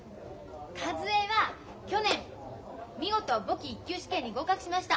一恵は去年見事簿記１級試験に合格しました。